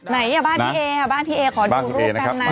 ไหนบ้านพี่เอบ้านพี่เอขอดูรูปกันนะ